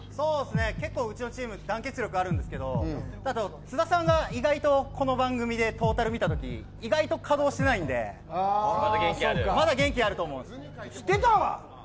結構うちのチーム団結力あるんですけど津田さんが意外とトータルで見たとき稼働していないんでまだ元気あると思うんです。